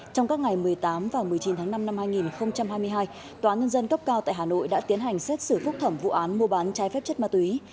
trong các ngày một mươi tám và một mươi chín tháng năm năm hai nghìn hai mươi hai tòa nhân dân cấp cao tại hà nội đã tiến hành xét xử phúc thẩm vụ án mua bán trái phép chất ma túy